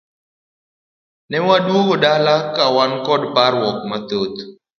Ne waduogo dala kawan koda parruok mathoth.